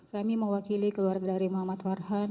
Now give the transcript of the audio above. kami mewakili keluarga dari muhammad farhan